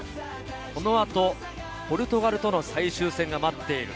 この後、ポルトガルとの最終戦が待っている。